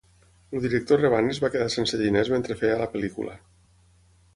El director Rebane es va quedar sense diners mentre feia la pel·lícula.